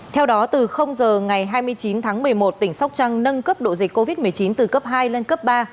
theo đó từ giờ ngày hai mươi chín tháng một mươi một tỉnh sóc trăng nâng cấp độ dịch covid một mươi chín từ cấp hai lên cấp ba